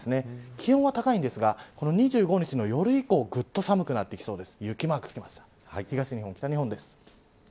気温は高いんですが２５日の夜以降ぐっと寒くなってきそうです。